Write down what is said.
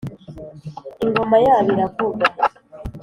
ingoma yabo iravuga,